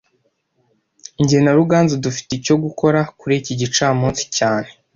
Jye na Ruganzu dufite icyo gukora kuri iki gicamunsi cyane